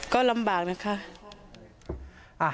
ก็ลำบากนะคะ